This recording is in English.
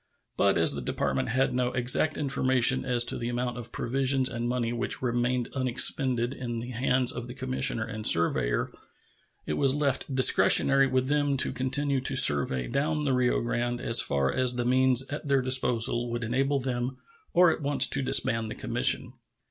But as the Department had no exact information as to the amount of provisions and money which remained unexpended in the hands of the commissioner and surveyor, it was left discretionary with them to continue the survey down the Rio Grande as far as the means at their disposal would enable them or at once to disband the commission.